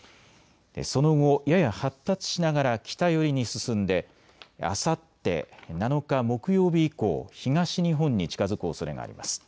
その後、やや発達しながら北寄りに進んであさって７日木曜日以降、東日本に近づくおそれがあります。